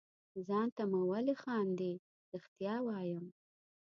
خانده مه ولې خاندې؟ رښتیا وایم.